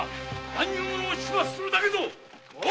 乱入者を始末するだけぞ！